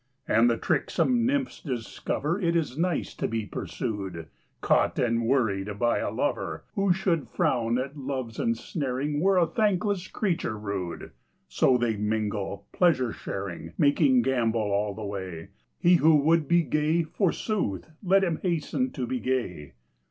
72 And the tricksome nymphs discover It is nice to be pursued, Caught and worried by a lover ; Who should frown at Love's ensnaring Were a thankless creature rude ; So they mingle, pleasure sharing, Making gambol all the way : He who would be gay, forsooth. Let him hasten to be gay.